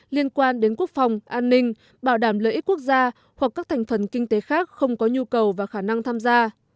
liên quan đến quốc phòng an ninh bảo đảm lợi ích quốc gia hoặc các thành phần kinh tế khác không có nhu cầu và khả năng tham gia